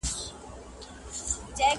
چي پنیر یې وو له خولې څخه وتلی.!